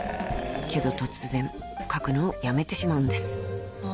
［けど突然描くのをやめてしまうんです］